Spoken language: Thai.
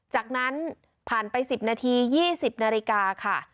จากนั้นผ่านไป๑๐นาที๒๐นาฬิกาค่ะ